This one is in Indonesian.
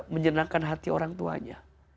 menyenangkan hati orang tuanya